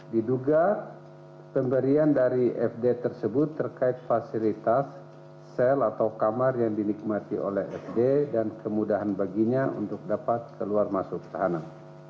diduga pemberian dari fd tersebut terkait fasilitas sel atau kamar yang dinikmati oleh fd dan kemudahan baginya untuk dapat keluar masuk tahanan